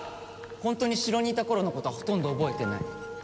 ホントに城にいた頃のことはほとんど覚えてない。